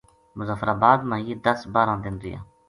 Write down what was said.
مظفرآباد ما یہ دس بارہ دن رہیا